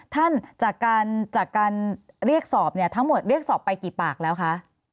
ท่านจากการเรียกสอบเนี่ยทั้งหมดเรียกสอบไปกี่ปากแล้วคะ